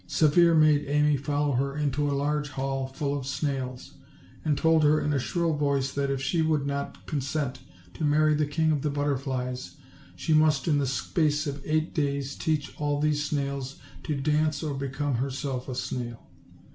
Severe made Amy follow her into a large hall full of snails; and told her in a shrill voice that if she would not consent to marry the King of the Butterflies, she must in the space of eight days teach all those snails to dance or become herself a snail.